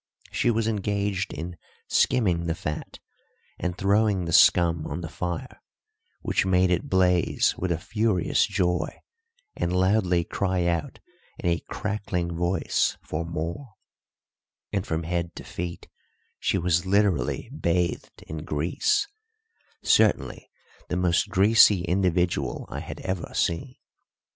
She was engaged in skimming the fat and throwing the scum on the fire, which made it blaze with a furious joy and loudly cry out in a crackling voice for more; and from head to feet she was literally bathed in grease certainly the most greasy individual I had ever seen.